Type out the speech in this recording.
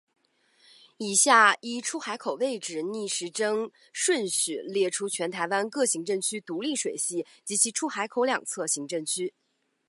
以下依出海口位置逆时针顺序列出全台湾各行政区独立水系及其出海口两侧行政区。